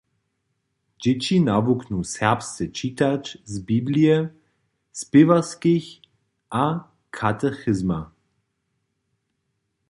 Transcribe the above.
Dźěći nawuknu serbsce čitać z biblije, spěwarskich a katechizma.